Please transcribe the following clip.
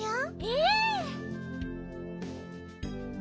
ええ！